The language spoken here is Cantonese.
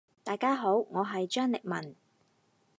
大家好，我係張力文。